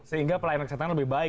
sehingga pelayanan kesehatan lebih baik